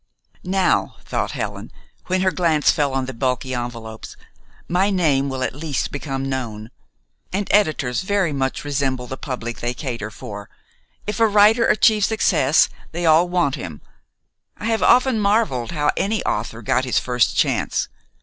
"Now," thought Helen, when her glance fell on the bulky envelops, "my name will at least become known. And editors very much resemble the public they cater for. If a writer achieves success, they all want him. I have often marveled how any author got his first chance.